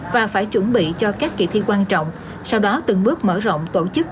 và phải chuẩn bị cho các kỳ thi quan trọng sau đó từng bước mở rộng tổ chức